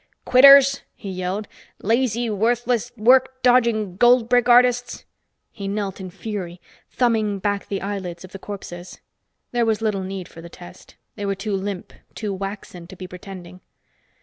"Quitters!" he yelled. "Lazy, worthless, work dodging goldbrick artists!" He knelt in fury, thumbing back the eyelids of the corpses. There was little need for the test. They were too limp, too waxen to be pretending.